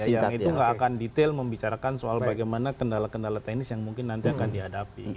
yang itu nggak akan detail membicarakan soal bagaimana kendala kendala teknis yang mungkin nanti akan dihadapi